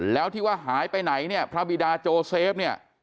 แล้วที่ว่าหายไปไหนเนี่ยพระบิดาโจเซฟเนี่ย